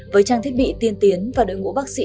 với trang thiết bị tiên tiến và đội ngũ bác sĩ